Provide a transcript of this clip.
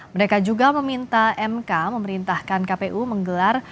mereka juga meminta mk memerintahkan kpu menggelar